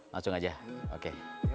langsung aja oke